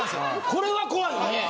これは怖いね！